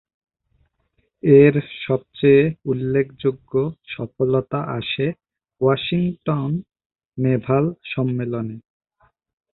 এর সবচেয়ে উল্লেখযোগ্য সফলতা আসে ওয়াশিংটন নেভাল সম্মেলনে